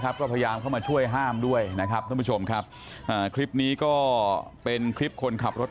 ทะเลาะวิวาดชกต่อยกับผู้ขมัส